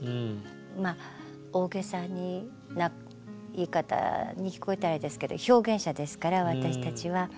大げさな言い方に聞こえたらあれですけど表現者ですから私たちは。